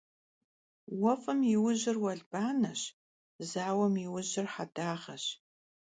Vuef'ım yi vujır vuelbaneş, zauem yi vujır hedağeş.